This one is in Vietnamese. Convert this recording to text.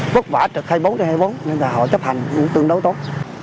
vất vả trực hai mươi bốn trên hai mươi bốn nên là họ chấp hành tương đối tốt